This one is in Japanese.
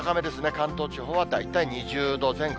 関東地方は大体２０度前後。